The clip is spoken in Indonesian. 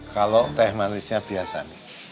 kalau teh manisnya biasa